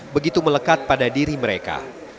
begitu melekat pada diri mereka